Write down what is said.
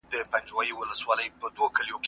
موږ باید د ازمایښتي څېړني پایلې خپرې کړو.